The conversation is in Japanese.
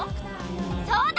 そうだ！